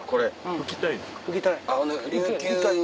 吹きたい。